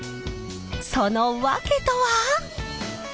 その訳とは。